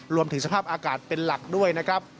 รวมถึงสภาพอากาศเป็นหลักด้วยนะครับ